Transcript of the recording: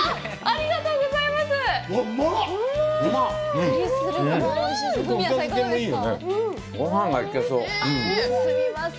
ありがとうございます！